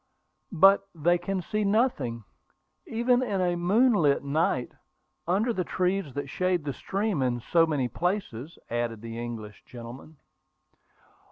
"But they can see nothing, even in a moonlight night, under the trees that shade the stream in so many places," added the English gentleman.